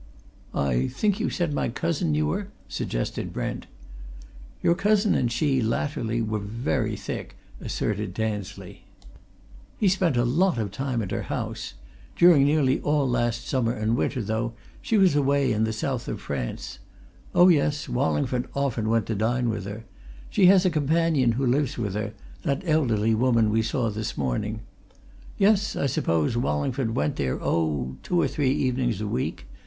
"I think you said my cousin knew her?" suggested Brent. "Your cousin and she, latterly, were very thick," asserted Tansley. "He spent a lot of time at her house. During nearly all last autumn and winter, though, she was away in the South of France. Oh, yes, Wallingford often went to dine with her. She has a companion who lives with her that elderly woman we saw this morning. Yes, I suppose Wallingford went there, oh, two or three evenings a week.